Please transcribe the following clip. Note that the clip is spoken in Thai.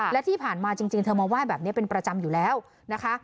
และที่ผ่านมาจริงเธอมาไหว้แบบนี้เป็นประจำอยู่แล้วนะคะ